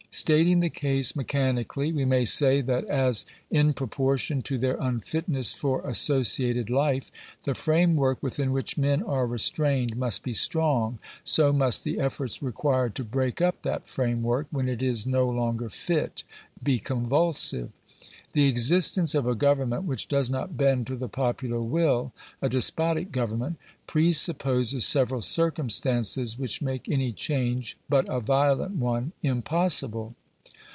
Stating the case mechanically, we may say that as, in proportion to their unfitness for associated life, the framework within which men are restrained must be strong, so must the efforts required to break up that framework, when it is no longer fit, be convulsive. The existence of a government which does not bend to the popular will — a despotic government — presupposes several circumstances which make any change but a violent one impossible.